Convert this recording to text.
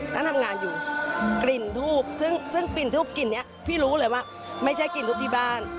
นั่งทำงานอยู่กลิ่นทูบซึ่งกลิ่นทูบกลิ่นนี้พี่รู้เลยว่าไม่ใช่กลิ่นทูบที่บ้าน